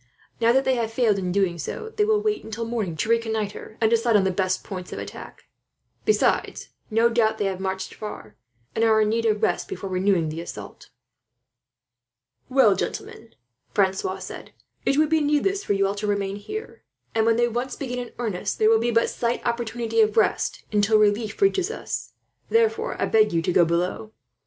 Now that they have failed in doing so, they will wait until morning to reconnoitre, and decide on the best points of attack. Besides, no doubt they have marched far, and are in need of rest before renewing the assault." "Well, gentlemen," Francois said, "it would be needless for you all to remain here; and when they once begin in earnest, there will be but slight opportunity of rest until relief reaches us. Therefore, I beg you to go below.